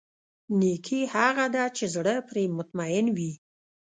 نېکي هغه ده چې زړه پرې مطمئن وي.